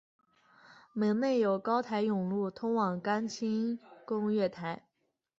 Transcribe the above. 门内有高台甬路通往干清宫月台。